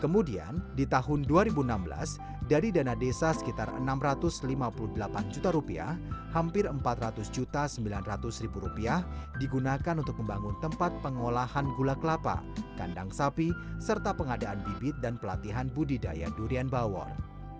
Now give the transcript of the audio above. kemudian di tahun dua ribu enam belas dari dana desa sekitar rp enam ratus lima puluh delapan hampir rp empat ratus sembilan ratus digunakan untuk membangun tempat pengolahan gula kelapa kandang sapi serta pengadaan bibit dan pelatihan budidaya durian bawor